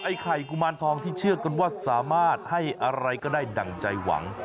ไข่กุมารทองที่เชื่อกันว่าสามารถให้อะไรก็ได้ดั่งใจหวัง